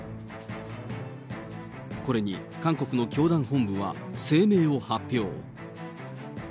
これに、韓国の教団本部は声明を発表。